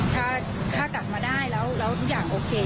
ถ้ากลับมาได้แล้วทุกอย่างโอเค